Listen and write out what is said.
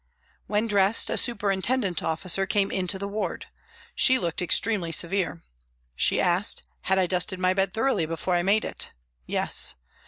When dressed a superintendent " officer " came into the ward. She looked extremely severe. She asked, " Had I dusted my bed thoroughly before I made it?" "Yes."